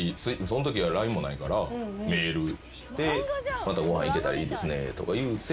そんときはＬＩＮＥもないからメールしてまたご飯行けたらいいですねとか言うて。